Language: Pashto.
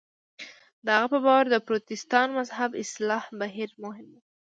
د هغه په باور د پروتستان مذهب اصلاح بهیر مهم و.